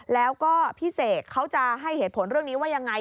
แล้วก็พี่เสกเขาจะให้เหตุผลเรื่องนี้ว่ายังไง